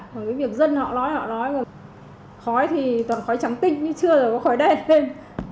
còn cái việc dân họ nói họ nói là khói thì toàn khói trắng tinh nhưng chưa rồi có khói đen thêm